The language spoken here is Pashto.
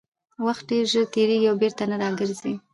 وخت ډېر ژر تېرېږي او بېرته نه راګرځي